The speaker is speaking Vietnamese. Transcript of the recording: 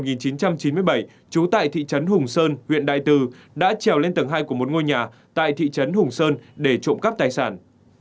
trú tại thị trấn hùng sơn huyện đại từ đã trèo lên tầng hai của một ngôi nhà tại thị trấn hùng sơn để trộm cắp tài sản